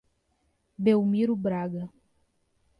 Belmiro Braga